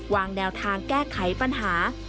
วางแนวทางแก้ไขปัญหา